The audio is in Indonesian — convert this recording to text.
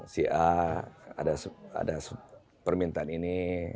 si a ada permintaan ini